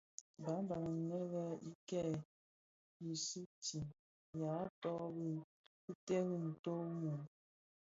Bààban inë le i ken, i sugtii, yaa tôg bì ki teri ntó wu mum.